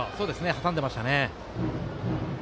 挟んでましたね。